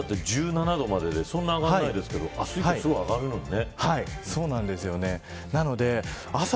今日も１７度でそんなに上がらないですけど明日以降、上がるのにね。